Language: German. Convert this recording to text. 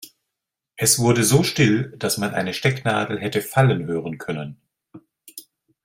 Es wurde so still, dass man eine Stecknadel hätte fallen hören können.